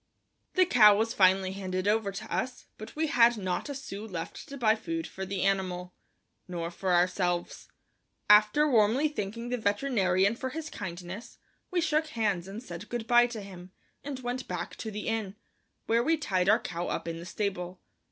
The cow was finally handed over to us, but we had not a sou left to buy food for the animal, nor for ourselves. After warmly thanking the veterinarian for his kindness, we shook hands and said good by to him, and went back to the inn, where we tied our cow up in the stable.